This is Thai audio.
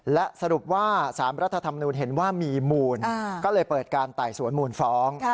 และสรุปว่า๓รัฐธรรมนูญเห็นว่ามีมูลก็เลยเปิดการไต่สวนมูลฟ้อง